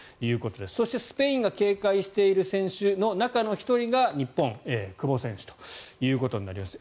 そして、スペインが警戒している選手の中の１人が日本、久保選手ということになります。